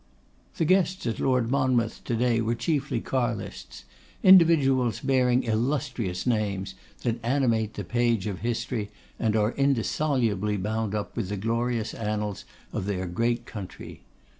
The guests at Lord Monmouth's to day were chiefly Carlists, individuals bearing illustrious names, that animate the page of history, and are indissolubly bound up with the glorious annals of their great country.